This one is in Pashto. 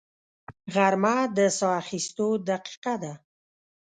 غرمه د ساه اخیستو دقیقه ده